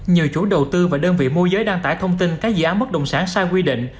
nhiều chủ đầu tư và đơn vị mua giới đăng tải thông tin các dự án mất động sản sai quy định